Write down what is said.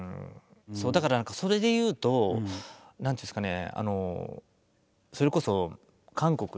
だからそれで言うと何ていうんですかね